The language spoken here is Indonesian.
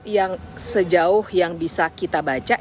yang sejauh yang bisa kita baca